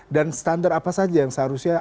dan standar apa saja yang seharusnya